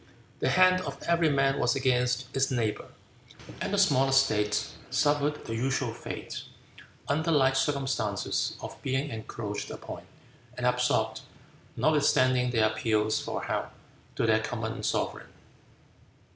The hand of every man was against his neighbor, and the smaller states suffered the usual fate, under like circumstances, of being encroached upon and absorbed, notwithstanding their appeals for help to their common sovereign.